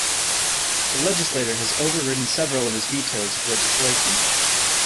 The legislature has overridden several of his vetoes of legislation.